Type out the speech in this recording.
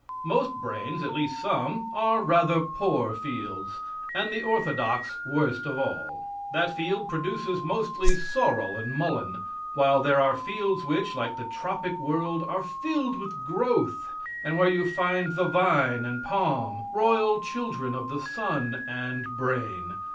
Most brains at least some are rather poor fields, and the orthodox worst of all. That field produces mostly sorrel and mullin, while there are fields which, like the tropic world, are filled with growth, and where you find the vine and palm, royal children of the sun and brain.